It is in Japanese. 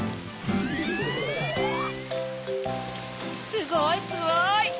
すごいすごい！